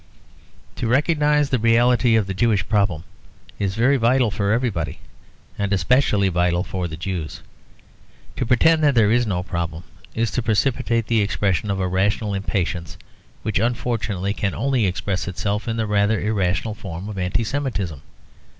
To recognise the reality of the Jewish problem is very vital for everybody and especially vital for Jews. To pretend that there is no problem is to precipitate the expression of a rational impatience, which unfortunately can only express itself in the rather irrational form of Anti Semitism.